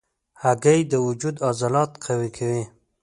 هګۍ د وجود عضلات قوي کوي.